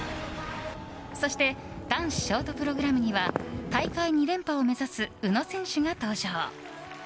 そして男子ショートプログラムには大会２連覇を目指す宇野選手が登場。